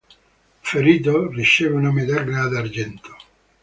Ferito, riceve una medaglia d'argento.